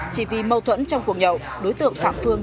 chỉ vì mâu thuẫn trong cuộc nhậu đối tượng phạm phương